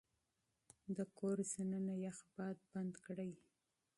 د کور دننه يخ باد بند کړئ.